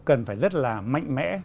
cần phải rất là mạnh mẽ